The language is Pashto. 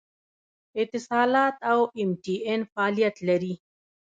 اتصالات او ایم ټي این فعالیت لري